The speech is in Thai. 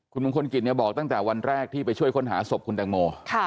คุณมงคลกิจเนี่ยบอกตั้งแต่วันแรกที่ไปช่วยค้นหาศพคุณแตงโม